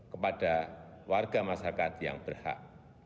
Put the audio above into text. kepada warga masyarakat yang berhak